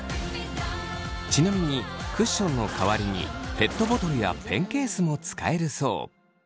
ちなみにクッションの代わりにペットボトルやペンケースも使えるそう。